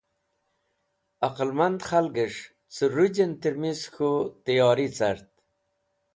Aqalmand Khalges̃h ce Rujen tirmis K̃hu tiyori cart